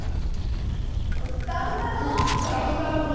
ダウンタウンの？